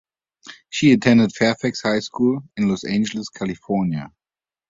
She attended Fairfax High School in Los Angeles, California.